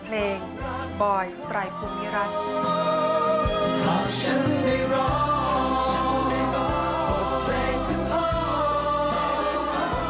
เพราะฉันได้ร้องพบเพลงทั้งพอ